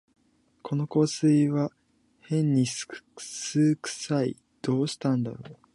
この香水はへんに酢くさい、どうしたんだろう